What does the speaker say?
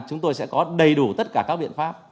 chúng tôi sẽ có đầy đủ tất cả các biện pháp